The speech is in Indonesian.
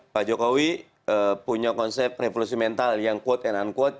pak jokowi punya konsep revolusi mental yang quote and unquote